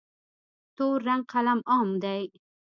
تور رنګ قلم عام دی.